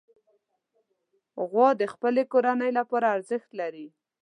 غوا د خپلې کورنۍ لپاره ارزښت لري.